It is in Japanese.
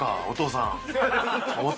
お父さん。